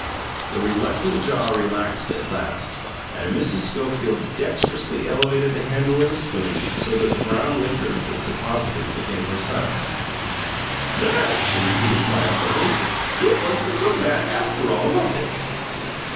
The reluctant jaw relaxed at last, and Mrs. Schofield dexterously elevated the handle of the spoon so that the brown liquor was deposited within her son. "There!" she repeated triumphantly. "It wasn't so bad after all, was it?"